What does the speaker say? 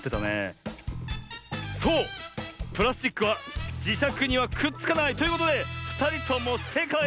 そうプラスチックはじしゃくにはくっつかない。ということでふたりともせいかい！